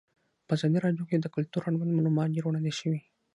په ازادي راډیو کې د کلتور اړوند معلومات ډېر وړاندې شوي.